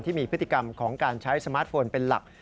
ที่มีพฤติกรรมของการใช้สมาร์ทโฟนเป็นหลัก